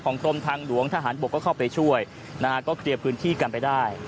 กรมทางหลวงทหารบกก็เข้าไปช่วยนะฮะก็เคลียร์พื้นที่กันไปได้